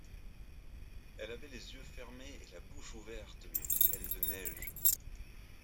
Elle avait les yeux fermés et la bouche ouverte, mais pleine de neige.